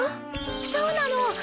そうなの！